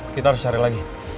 kita harus cari lagi